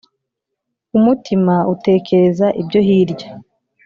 Umutima utekereza ibyo hirya